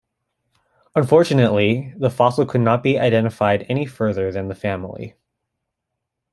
Unfortunately, the fossil could not be identified any further than the family.